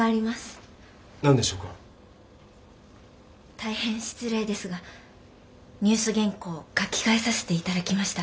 大変失礼ですがニュース原稿を書き換えさせて頂きました。